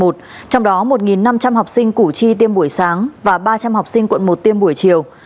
trong đó một năm trăm linh học sinh củ chi tiêm buổi sáng và ba trăm linh học sinh quận một tiêm buổi chiều